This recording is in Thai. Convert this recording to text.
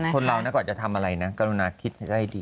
คนเรานะก่อนจะทำอะไรนะกรุณาคิดให้ดี